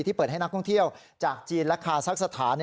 เปิดให้นักท่องเที่ยวจากจีนและคาซักสถาน